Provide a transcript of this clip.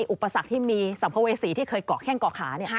อุปสรรคที่มีสัมภเวษีที่เคยเกาะแข้งเกาะขา